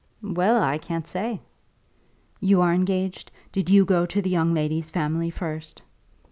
"Well; I can't say." "You are engaged? Did you go to the young lady's family first?"